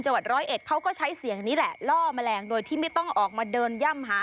วัดร้อยเอ็ดเขาก็ใช้เสียงนี้แหละล่อแมลงโดยที่ไม่ต้องออกมาเดินย่ำหา